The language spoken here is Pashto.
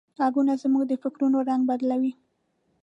غږونه زموږ د فکرونو رنگ بدلوي.